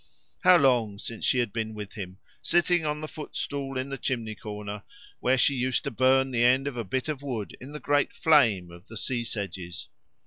How long since she had been with him, sitting on the footstool in the chimney corner, where she used to burn the end of a bit of wood in the great flame of the sea sedges!